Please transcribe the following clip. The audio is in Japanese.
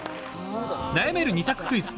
悩める２択クイズ。